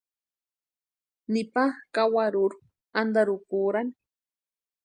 Nipa kawarurhu antarhukurani.